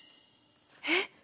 えっ！